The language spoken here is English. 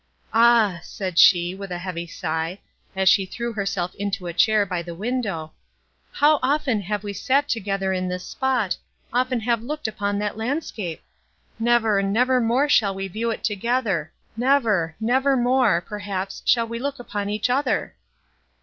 "Ah!" said she, with a heavy sigh, as she threw herself into a chair by the window, "how often have we sat together in this spot—often have looked upon that landscape! Never, never more shall we view it together—never—never more, perhaps, shall we look upon each other!"